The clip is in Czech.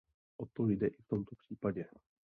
O to jde i v tomto případě.